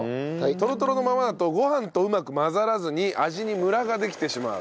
とろとろのままだとご飯とうまく混ざらずに味にムラができてしまう。